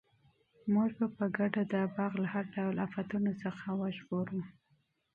موږ به په ګډه دا باغ له هر ډول آفتونو څخه وژغورو.